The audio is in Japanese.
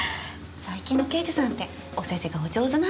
最近の刑事さんってお世辞がお上手なんですね。